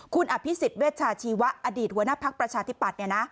คุณอภิสิทธิ์เวชชาชีวะอดีตหัวหน้าภักดิ์ประชาธิปัตย์